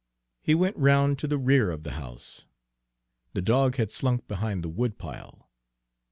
He went round to the rear of the house. The dog had slunk behind the woodpile.